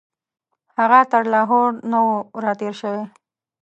هغه تر لاهور نه وو راتېر شوی.